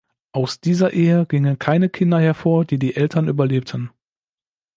Aus dieser Ehe gingen keine Kinder hervor, die die Eltern überlebten.